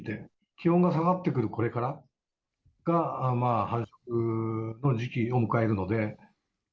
気温が下がってくるこれからが、繁殖の時期を迎えるので。